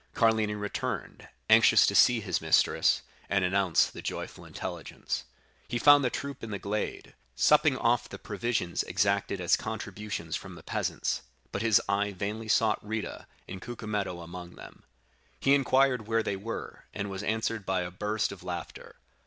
Carlini returned, anxious to see his mistress, and announce the joyful intelligence. He found the troop in the glade, supping off the provisions exacted as contributions from the peasants; but his eye vainly sought Rita and Cucumetto among them. "He inquired where they were, and was answered by a burst of laughter.